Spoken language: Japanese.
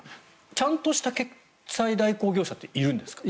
ちゃんとした決済代行業者っているんですか？